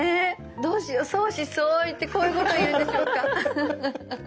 どうしよう相思相愛ってこういうことを言うんでしょうか。